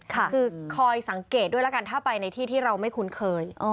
คือคอยสังเกตด้วยแล้วกันถ้าไปในที่ที่เราไม่คุ้นเคย